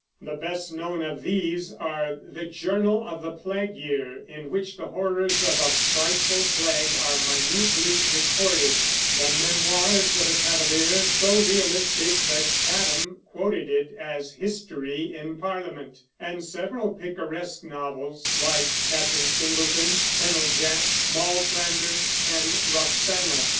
The best known of these are the Journal of the Plague Year, in which the horrors of a frightful plague are minutely recorded; the Memoirs of a Cavalier, so realistic that Chatham quoted it as history in Parliament; and several picaresque novels, like Captain Singleton, Colonel Jack, Moll Flanders, and Roxana.